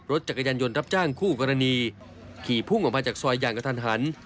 จักรยานยนต์รับจ้างคู่กรณีขี่พุ่งออกมาจากซอยอย่างกระทันหัน